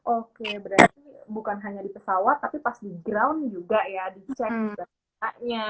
oke berarti bukan hanya di pesawat tapi pas di ground juga ya dicek juga